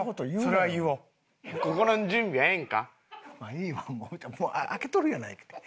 いいわもう開けとるやないか。